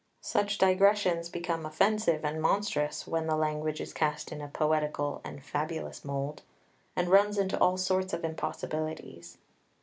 Such digressions become offensive and monstrous when the language is cast in a poetical and fabulous mould, and runs into all sorts of impossibilities.